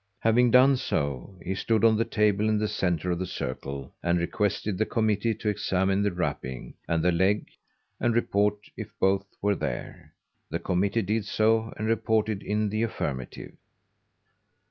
Having done so, he stood on the table in the center of the circle and requested the committee to examine the wrappings and the leg and report if both were there. The committee did so and reported in the affirmative.